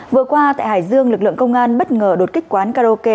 vừa qua tại hải dương lực lượng công an bất ngờ đột kích quán karaoke